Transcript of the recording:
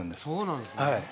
そうなんですね。